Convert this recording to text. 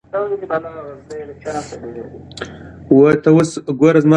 هغه مشرتابه چې رښتیا نه وايي ژر افشا کېږي